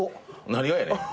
何がやねん！？